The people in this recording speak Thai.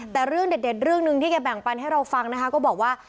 แต่เรื่องเด็ดเรื่องหนึ่งที่แกแบ่งปันให้เราฟังนะคะก็บอกว่า